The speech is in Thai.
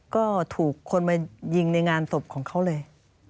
ก็ถูกคนมายิงในงานศพของเขาเลย